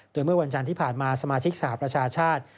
โดยเมื่อวันจันทร์ที่ผ่านมาสมาชิกสหประชาชาติ